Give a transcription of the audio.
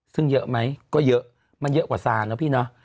ซึ่งเยอะไหมก็เยอะมันเยอะกว่าซานนะพี่เนอะ